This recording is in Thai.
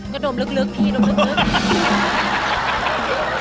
ก็ดมลึกพี่ดมลึก